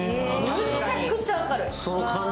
むちゃくちゃ明るい。